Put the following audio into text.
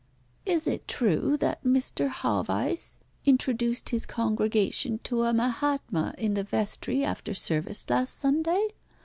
"Is it true that Mr. Haweis introduced his congregation to a Mahatma in the vestry after service last Sunday?"